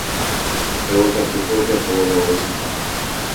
Mbeguekatúpe ojapo ohóvo chipa.